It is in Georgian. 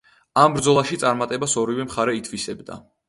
ამ ბრძოლაში წარმატებას ორივე მხარე ითვისებდა.